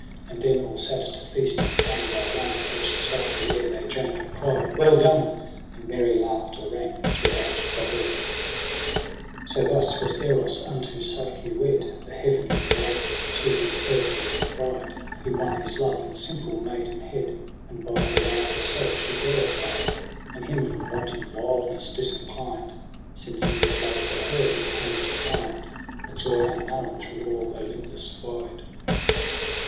And then all sat to feast, and one by one Pledged Psyche ere they drank and cried Welldotiel And merry laughter rang throughout the hall. FEBRUARY 213 So thus was Eros unto Psyche wed. The heavenly bridegroom to his earthly bride. Who won his love, in simple maidenhead : And by her love herself she glorified, And him from wanton wildness disinclined j Since in his love for her he came to find A joy unknown through all Olympus wide.